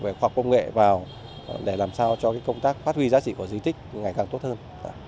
về khoa học công nghệ vào để làm sao cho công tác phát huy giá trị của di tích ngày càng tốt hơn